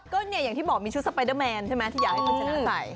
ก็เนี่ยอย่างที่บอกมีชุดสไปเดอร์แมนใช่ไหมที่อยากให้คุณชนะใส่